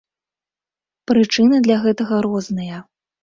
Прычыны для гэтага розныя.